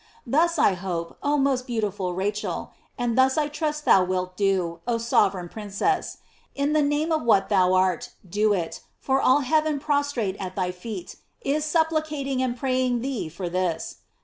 Thus I hope, oh most beautiful Rachel! and thus I trust thou wilt do, oh sovereign princess! In the name of what thou art; do it, for all heaven prostrate at thy feet, is supplicating and praying thee for this.